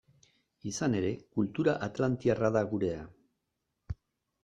Izan ere, kultura atlantiarra da geurea.